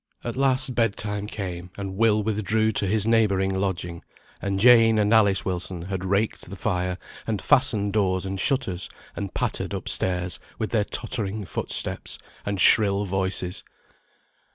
At last, bed time came; and Will withdrew to his neighbouring lodging; and Jane and Alice Wilson had raked the fire, and fastened doors and shutters, and pattered up stairs, with their tottering foot steps, and shrill voices.